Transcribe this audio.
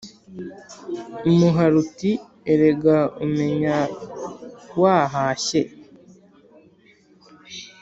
” umuhari uti ” erega umenya wahashye!